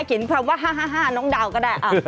เขียนคำว่า๕๕น้องดาวก็ได้